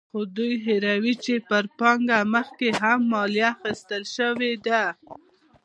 خو دوی هېروي چې پر پانګه مخکې هم مالیه اخیستل شوې ده.